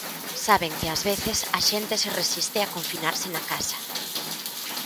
Saben que ás veces a xente se resiste a confinarse na casa.